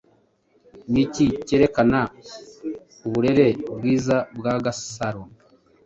Ni iki kerekana uburere bwiza bwa Gasaro?